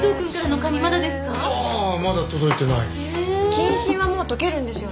謹慎はもう解けるんですよね？